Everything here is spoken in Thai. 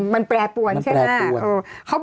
มันแปรปวนใช่ไหม